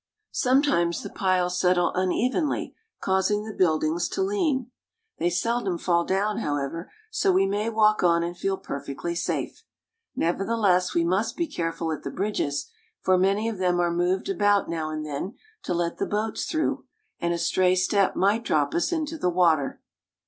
Sometimes the piles settle unevenly, causing the build ings to lean. They seldom fall down, however, so we may walk on and feel perfectly safe. Nevertheless we must be careful at the bridges, for many of them are moved about now and then to let the boats through, and a stray step might drop us into the water.